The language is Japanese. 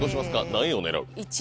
何位を狙う？